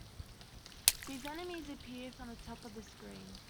These enemies appear from the top of the screen.